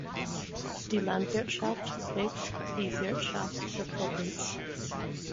Die Landwirtschaft prägt die Wirtschaft der Provinz.